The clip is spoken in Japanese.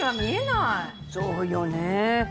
そうよね。